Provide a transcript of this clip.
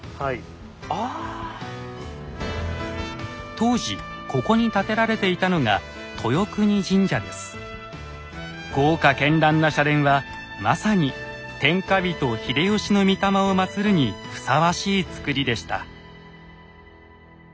当時ここに建てられていたのが豪華絢爛な社殿はまさに天下人秀吉の御霊をまつるにふさわしい造りでした。